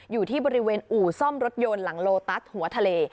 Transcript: อยู่ที่บริเวณอู่ซ่อมรถยนต์หลังโลตัสหัวทะเล